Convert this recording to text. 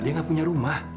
dia nggak punya rumah